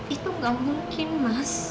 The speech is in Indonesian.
itu gak mungkin mas